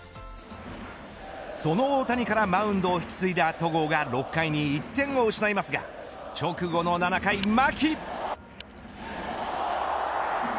その大谷からマウンドを引き継いだ戸郷が６回に１点を失いますが直後の７回、牧。